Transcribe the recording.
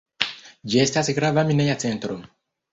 Ĝi estas grava mineja centro.